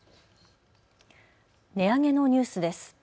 値上げのニュースです。